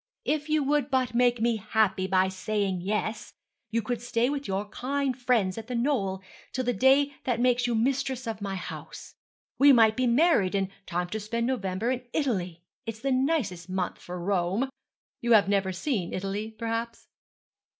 If you would but make me happy by saying yes, you could stay with your kind friends at The Knoll till the day that makes you mistress of my house. We might be married in time to spend November in Italy. It is the nicest month for Rome. You have never seen Italy, perhaps?'